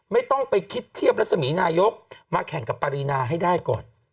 ไม่ต้องไปคิดเทียบรัศมีนายกมาแข่งกับปรินาให้ได้ก่อน